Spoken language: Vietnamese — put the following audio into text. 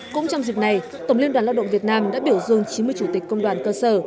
cũng trong dịp này tổng liên đoàn lao động việt nam đã biểu dương chín mươi chủ tịch công đoàn cơ sở